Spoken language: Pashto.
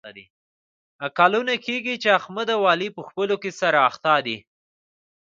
کلونه کېږي چې احمد او علي په خپلو کې سره اخته دي.